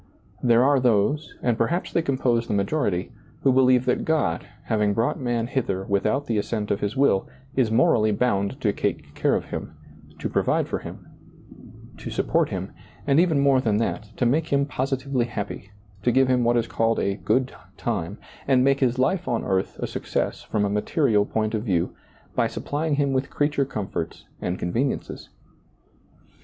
There are those, and perhaps they compose the majority, who believe that God, having brought man hither without the assent of his will, is morally bound to take care of him, to provide for him, to support him, and even more than that, to make him positively happy, to give him what is called a good time, and make his life on earth a success from a material point of view by supplying him with creature comforts and conveniences.